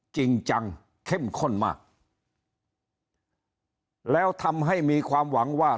จริงจังเข้มข้นมากแล้วทำให้มีความหวังว่า